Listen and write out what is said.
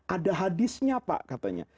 ada hadisnya pak katanya